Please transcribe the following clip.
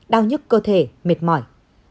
đau nhức cơ thể mệt mỏi